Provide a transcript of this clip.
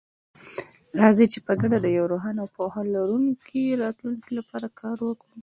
راځئ چې په ګډه د یو روښانه او پوهه لرونکي راتلونکي لپاره کار وکړو.